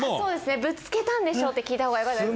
「ぶつけたんでしょう？」って聞いたほうがよかったですね。